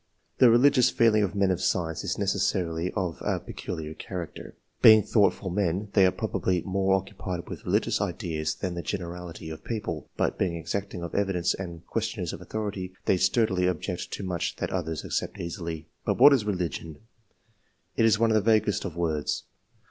The religious feeling of men of science is necessarily of a peculiar character. Being thoughtful men, they are probably more occu pied with religious ideas than the generality of people ; but, being exacting of evidence and questioners of authority, they sturdily object to much that others accept easily. But what is " religion ?" It is one of the vaguest of words.